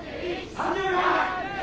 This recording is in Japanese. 「３０秒前！」